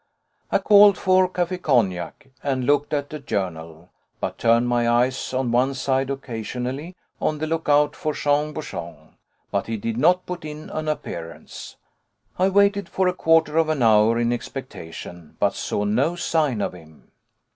I called for café cognac and looked at a journal, but turned my eyes on one side occasionally, on the look out for Jean Bouchon. But he did not put in an appearance. I waited for a quarter of an hour in expectation, but saw no sign of him.